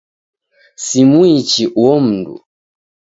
Simwichi uo mndu.